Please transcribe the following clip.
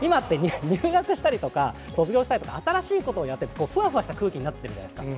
今って入学したりとか卒業したりとか、新しいことをやってふわふわした空気になってるじゃないですか。